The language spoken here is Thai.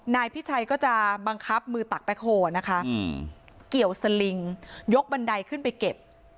นายพิชัยก็จะบังคับมือตักแบ็คโฮนะคะเกี่ยวสลิงยกบันไดขึ้นไปเก็บ